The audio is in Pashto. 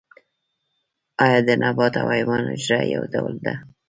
ایا د نبات او حیوان حجره یو ډول ده